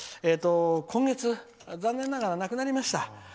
今月、残念ながら亡くなりました。